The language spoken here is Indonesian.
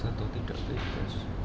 bebas atau tidak bebas